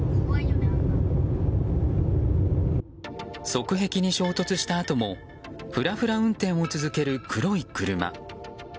側壁に衝突したあともふらふら運転を続ける黒い車。